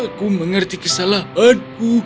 aku mengerti kesalahanku